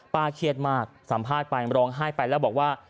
เครียดมากสัมภาษณ์ไปร้องไห้ไปแล้วบอกว่า